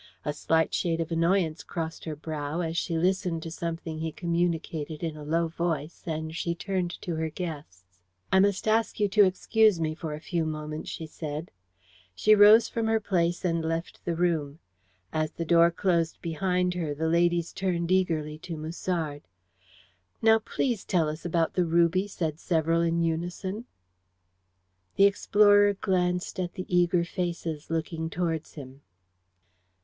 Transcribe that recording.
A slight shade of annoyance crossed her brow as she listened to something he communicated in a low voice, and she turned to her guests. "I must ask you to excuse me for a few moments," she said. She rose from her place and left the room. As the door closed behind her the ladies turned eagerly to Musard. "Now, please, tell us about the ruby," said several in unison. The explorer glanced at the eager faces looking towards him.